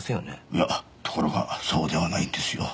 いやところがそうではないんですよ。